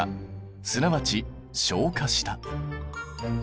すなわち昇華した。